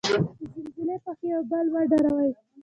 د زلزلې په وخت یو بل مه ډاروی.